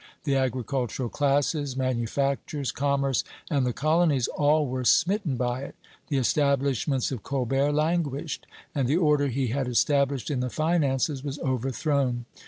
The agricultural classes, manufactures, commerce, and the colonies, all were smitten by it; the establishments of Colbert languished, and the order he had established in the finances was overthrown.